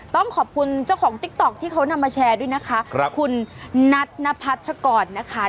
ต้องขอบคุณเจ้าของติ๊กต๊อกที่เขานำมาแชร์ด้วยนะคะครับคุณนัทนพัชกรนะคะ